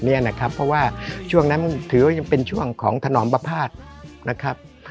เนี้ยนะครับเพราะว่าช่วงนั้นมันถือว่ายังเป็นช่วงของถนอมปภาษณ์นะครับ